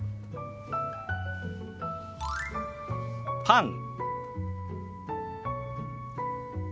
「パン」。